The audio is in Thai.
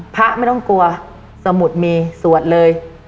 พระไม่ต้องกลัวสมุดมีสวดเลย